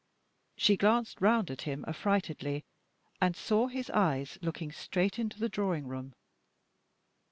She glanced round at him affrightedly, and saw his eyes looking straight into the drawing room.